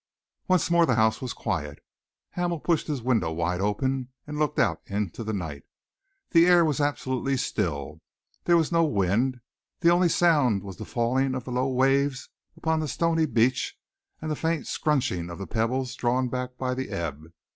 Once more the house was quiet. Hamel pushed his window wide open and looked out into the night. The air was absolutely still, there was no wind. The only sound was the falling of the low waves upon the stony beach and the faint scrunching of the pebbles drawn back by the ebb.